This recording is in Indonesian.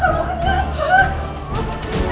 kok gak di kunci